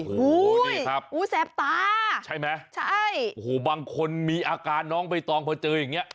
โอ้โหนี่ครับอู้แสบตาใช่ไหมใช่โอ้โหบางคนมีอาการน้องใบตองพอเจออย่างเงี้